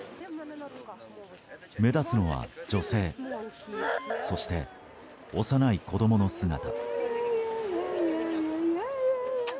目立つのは女性そして、幼い子供の姿。